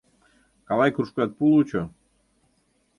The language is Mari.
Калай кружкат пу лучо.